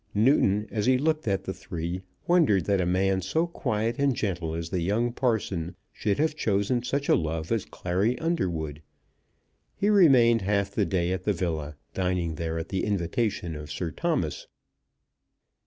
Newton, as he looked at the three, wondered that a man so quiet and gentle as the young parson should have chosen such a love as Clary Underwood. He remained half the day at the villa, dining there at the invitation of Sir Thomas.